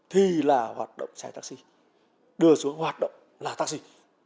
thì là hoạt động xe taxi đưa xuống hoạt động là taxi